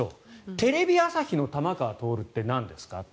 テレビ朝日の玉川徹ってなんですか？